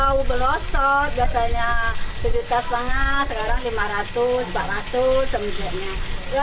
dia jauh belosot biasanya sedikit tas pangas sekarang lima ratus empat ratus sebagainya